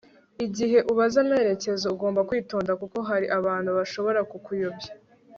igihe ubaza amerekezo ugomba kwitonda kuko hari abantu bashobora kukuyobya